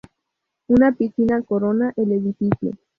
Una piscina corona el edificio.